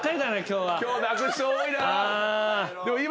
今日泣く人多いな。